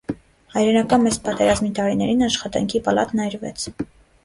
Հայրենական մեծ պատերազմի տարիներին աշխատանքի պալատն այրվեց։